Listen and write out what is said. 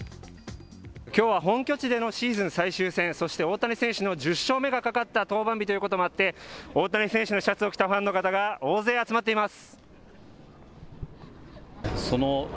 きょうは本拠地でのシーズン最終戦、そして大谷選手の１０勝目がかかった登板日ということもあって、大谷選手のシャツを着たファンの方が大勢集まっています。